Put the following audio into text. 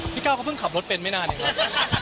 ก้าวเขาเพิ่งขับรถเป็นไม่นานเองครับ